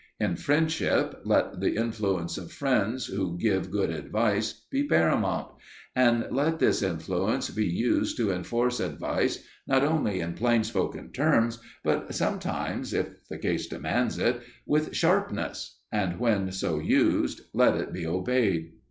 In friendship, let the influence of friends who give good advice be paramount; and let this influence be used to enforce advice not only in plain spoken terms, but sometimes, if the case demands it, with sharpness; and when so used, let it be obeyed.